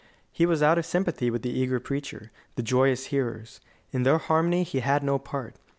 He was out of sympathy with the eager preacher, the joyous hearers. In their harmony he had no part.